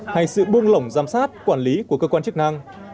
hay sự buông lỏng giám sát quản lý của cơ quan chức năng